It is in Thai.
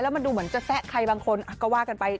มันดูเหมือนจะแซะใครบางคนก็ว่ากันไป